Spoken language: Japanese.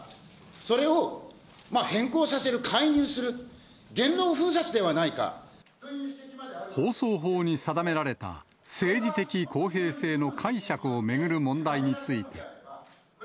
それを変更させる、放送法に定められた、政治的公平性の解釈を巡る問題について。